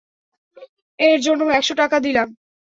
এর জন্য একশ টাকা দিলাম!